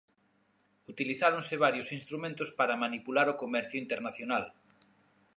Utilizáronse varios instrumentos para manipular o comercio internacional.